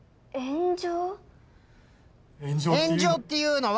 炎上っていうのは。